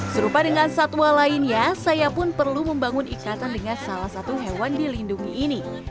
serupa dengan satwa lainnya saya pun perlu membangun ikatan dengan salah satu hewan dilindungi ini